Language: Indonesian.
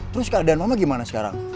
terus keadaan mama gimana sekarang